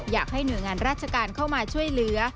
อยากให้หน่วยงานราชการเข้ามาช่วยเหลือ